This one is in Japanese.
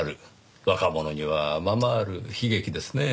若者にはままある悲劇ですねぇ。